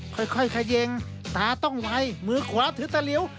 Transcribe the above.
ค่อยเขยงตาต้องไวมือขวาถือตะหลิว